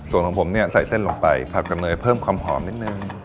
ส่วนของผมเนี่ยใส่เส้นลงไปผัดกับเนยเพิ่มความหอมนิดนึง